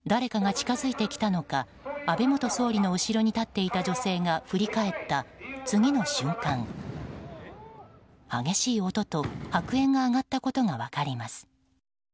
映像をよく見ると誰かが近づいてきたのか安倍元総理の後ろに立っていた女性が振り返った、次の瞬間激しい音と白煙が上がったことがわかります。